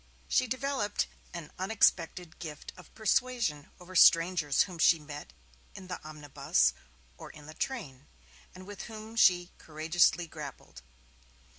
She developed an unexpected gift of persuasion over strangers whom she met in the omnibus or in the train, and with whom she courageously grappled.